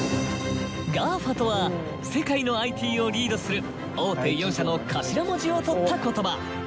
ＧＡＦＡとは世界のＩＴをリードする大手４社の頭文字をとった言葉。